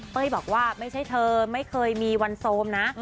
บอกว่าไม่ใช่เธอไม่เคยมีวันโซมนะ